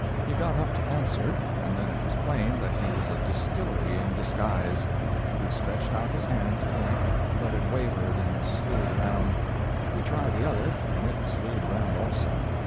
He got up to answer, and then it was plain that he was a distillery in disguise. He stretched out his hand to point, but it wavered and slewed around. He tried the other, and it slewed around also.